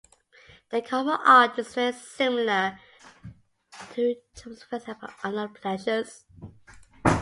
The cover art is very similar to Joy Division's first album, "Unknown Pleasures".